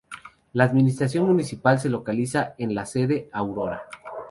La administración municipal se localiza en la sede: Aurora.